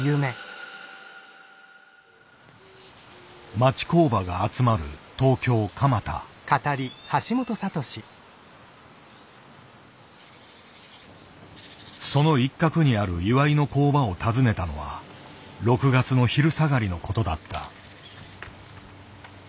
町工場が集まるその一角にある岩井の工場を訪ねたのは６月の昼下がりのことだった。